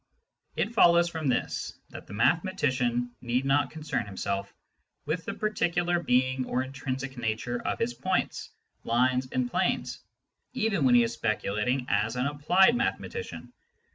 It follows from this that the mathematician need not concern himself with the particular being or intrinsic nature of his points, lines, and planes, even when he is speculating as an applied mathematician.